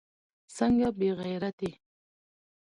څنگه بې غيرتي.